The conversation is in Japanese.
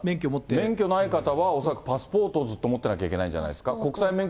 免許ない方は、恐らくパスポートをずっと持ってなきゃいけないんじゃないですか。